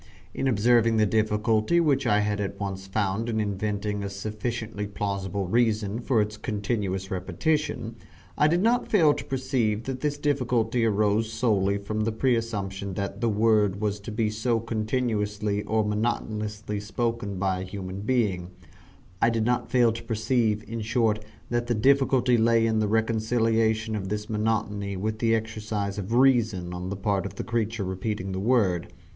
In observing the difficulty which I had at once found in inventing a sufficiently plausible reason for its continuous repetition, I did not fail to perceive that this difficulty arose solely from the preassumption that the word was to be so continuously or monotonously spoken by a human being I did not fail to perceive, in short, that the difficulty lay in the reconciliation of this monotony with the exercise of reason on the part of the creature repeating the word.